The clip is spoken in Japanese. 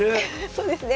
そうですね。